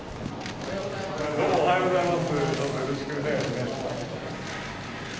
大臣、おはようございます。